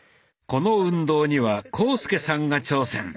この運動には浩介さんが挑戦。